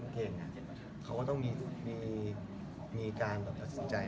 เขาก็ต้องมีการตัดสินใจ